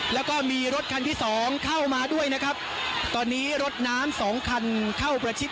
แล้วก็มีรถคันที่สองเข้ามาด้วยนะครับตอนนี้รถน้ำสองคันเข้าประชิด